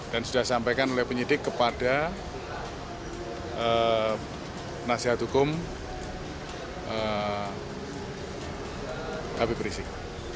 dan sudah disampaikan oleh penyidik kepada nasihat hukum hp perisik